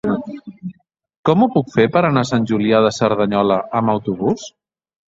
Com ho puc fer per anar a Sant Julià de Cerdanyola amb autobús?